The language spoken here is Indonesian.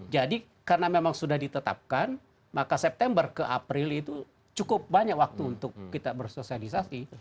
jadi karena memang sudah ditetapkan maka september ke april itu cukup banyak waktu untuk kita bersosialisasi